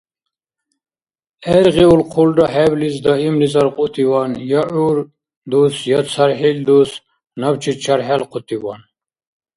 Гӏергъиулхъулра хӏеблис Даимлис аркьутиван,Я гӏур дус, я цархӏил дус Набчи чархӏелхъутиван.